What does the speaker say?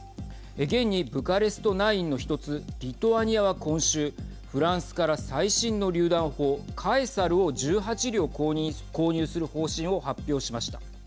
現にブカレスト９の１つリトアニアは今週フランスから最新のりゅう弾砲カエサルを１８両購入する方針を発表しました。